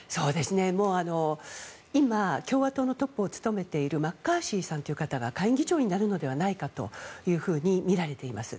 今、共和党のトップを務めているマッカーシーさんという方が下院議長になるのではないかとみられています。